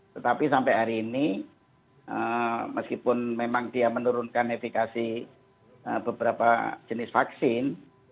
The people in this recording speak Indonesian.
tetapi sampai hari ini meskipun memang dia menurunkan efikasi beberapa jenis vaksin